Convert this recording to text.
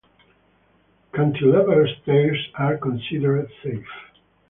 Cantilever stairs are considered safe.